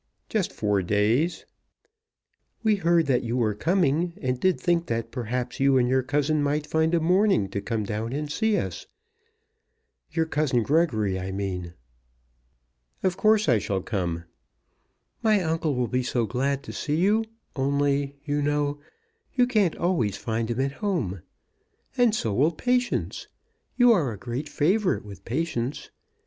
"Just four days." "We heard that you were coming, and did think that perhaps you and your cousin might find a morning to come down and see us; your cousin Gregory, I mean." "Of course I shall come." "My uncle will be so glad to see you; only, you know, you can't always find him at home. And so will Patience. You are a great favourite with Patience.